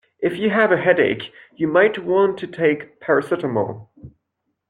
If you have a headache you might want to take a paracetamol